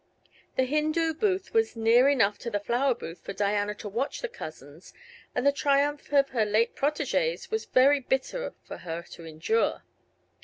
The "Hindoo Booth" was near enough to the "Flower Booth" for Diana to watch the cousins, and the triumph of her late protégées was very bitter for her to endure.